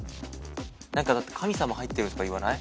だって神様入ってるとかいわない？